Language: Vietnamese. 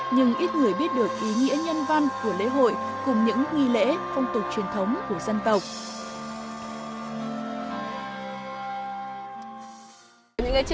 nhưng ít người biết được ý nghĩa nhân văn của lễ hội cùng những nghi lễ phong tục truyền thống của dân tộc